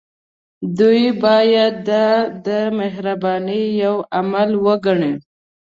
دوی باید دا د مهربانۍ يو عمل وګڼي.